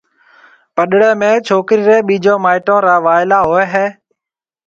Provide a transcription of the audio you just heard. پڏݪيَ ۾ ڇوڪرِي رَي ٻيجيَ مائيٽون را وائلا ھوئيَ ھيََََ